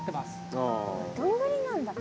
どんぐりなんだ。